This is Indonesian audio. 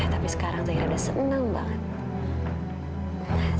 tapi sekarang zaira udah senang banget